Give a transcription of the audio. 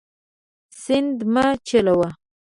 سیند مه چټلوه.